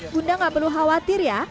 bunda nggak perlu khawatir ya